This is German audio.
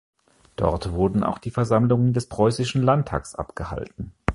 Dort wurden auch die Versammlungen des Preußischen Landtags abgehalten.